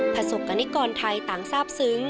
ประสบกรณิกรไทยต่างทราบซึ้ง